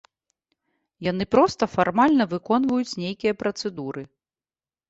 Яны проста фармальна выконваюць нейкія працэдуры.